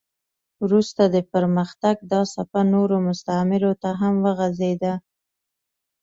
وروسته د پرمختګ دا څپه نورو مستعمرو ته هم وغځېده.